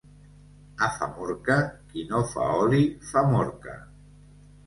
A Famorca, qui no fa oli fa morca.